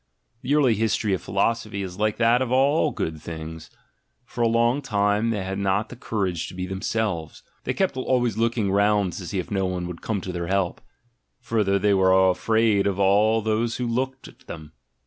The early history of philosophy is like that of all good things; — for a long time they had not the courage to be themselves, they kept always look ASCETIC IDEALS 115 ing round to see if no one would come to their help; fur ther, they were afraid of all who looked at them.